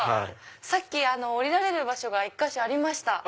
さっき下りられる場所が１か所ありました。